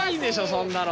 そんなの！